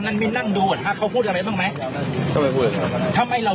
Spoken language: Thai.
มันได้โทรศักดิ์หรือมันเพราะอะไรอ่ะ